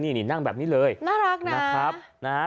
นี่นี่นั่งแบบนี้เลยน่ารักนะ